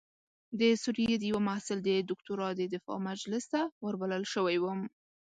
د سوریې د یوه محصل د دکتورا د دفاع مجلس ته وربلل شوی وم.